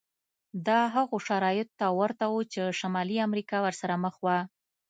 دا هغو شرایطو ته ورته و چې شمالي امریکا ورسره مخ وه.